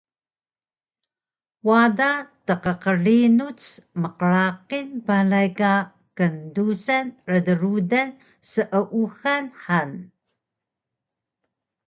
Wada tqqrinuc mqraqil balay ka kndusan rdrudan seuxal han